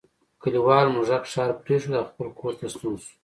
کلیوال موږک ښار پریښود او خپل کور ته ستون شو.